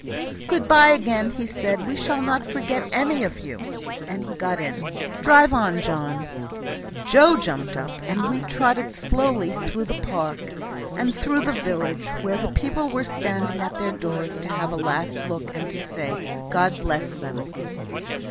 "Good by, again," he said; "we shall not forget any of you," and he got in. "Drive on, John." Joe jumped up, and we trotted slowly through the park and through the village, where the people were standing at their doors to have a last look and to say, "God bless them."